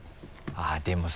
あっでもさ